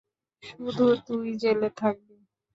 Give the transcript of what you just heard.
শুধু তুই জেলে থাকবি।